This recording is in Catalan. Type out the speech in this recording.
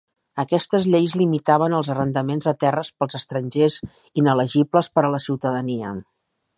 Aquestes lleis limitaven els arrendaments de terres pels estrangers inelegibles per a la ciutadania.